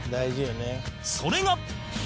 それが